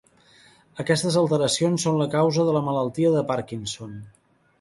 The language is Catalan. Aquestes alteracions són la causa de la malaltia del Parkinson.